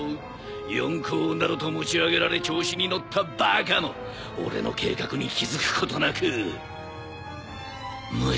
四皇などと持ち上げられ調子に乗ったバカも俺の計画に気付くことなく無力に死ぬのだ。